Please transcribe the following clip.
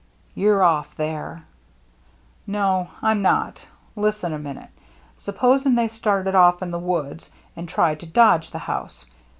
" You're ofF there." " No, Tm not. Listen a minute. Suppos ing they started off in the woods and tried to dodge the house.